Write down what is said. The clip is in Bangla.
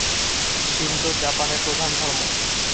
শিন্তো জাপানের প্রধান ধর্ম।